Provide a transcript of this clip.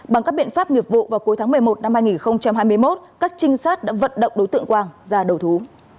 bằng các biện pháp nghiệp vụ vào cuối tháng một mươi một năm hai nghìn hai mươi một các trinh sát đã vận động đối tượng quang ra đầu thú